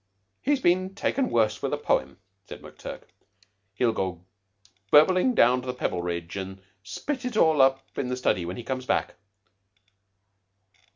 He's been taken worse with a poem," said McTurk. "He'll go burbling down to the Pebbleridge and spit it all up in the study when he comes back."